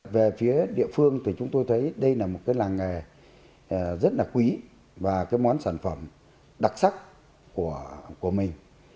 về phía địa phương thì chúng tôi thấy đây là một cái làng nghề rất là quý và cái món sản phẩm đặc sắc của mình